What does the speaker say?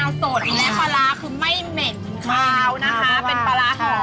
มันจะเพิ่มความเพ็ดร้อน